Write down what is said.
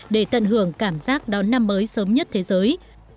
để tận hưởng cảm giác đón năm mới sớm nhất thế giới